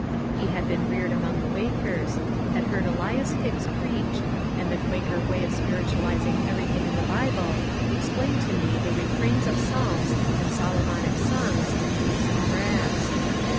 He had been reared among Quakers, had heard Elias Hicks preach, and the Quaker way of spiritualizing everything in the Bible explained to me the refrains of psalms and Solomonic songs in ^^ Leaves of Grass."